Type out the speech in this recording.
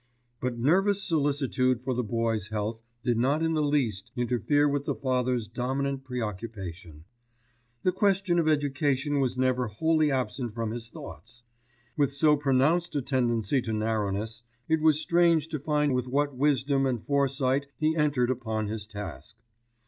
But nervous solicitude for the boy's health did not in the least interfere with the father's dominant preoccupation. The question of education was never wholly absent from his thoughts. With so pronounced a tendency to narrowness, it was strange to find with what wisdom and foresight he entered upon his task.